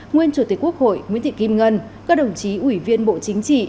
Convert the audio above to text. nguyên chủ tịch quốc hội nguyễn thị kim ngân các đồng chí ủy viên bộ chính trị